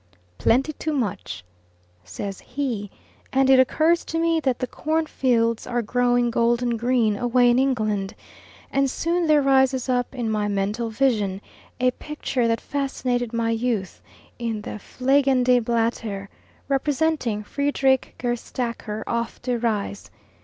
"Plenty too much," says he; and it occurs to me that the corn fields are growing golden green away in England; and soon there rises up in my mental vision a picture that fascinated my youth in the Fliegende Blatter, representing "Friedrich Gerstaeker auf der Reise."